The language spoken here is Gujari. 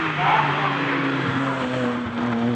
چار بجا کو ٹیم ہویو